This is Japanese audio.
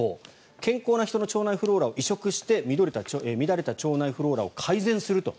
健康な人の腸内フローラを移植して乱れた腸内フローラを改善すると。